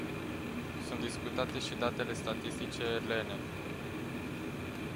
Sunt discutate și datele statistice elene.